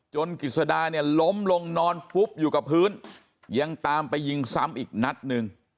กิจสดาเนี่ยล้มลงนอนฟุบอยู่กับพื้นยังตามไปยิงซ้ำอีกนัดหนึ่ง